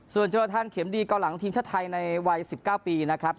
ส่วนเจอทางเข็มดีเกาหลังเทียมชาติไทยในวัยสิบเก้าปีนะครับ